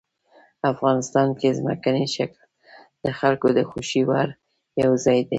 افغانستان کې ځمکنی شکل د خلکو د خوښې وړ یو ځای دی.